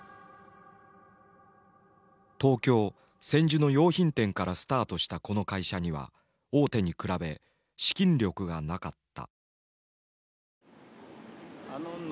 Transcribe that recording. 東京・千住の洋品店からスタートしたこの会社には大手に比べ資金力がなかった。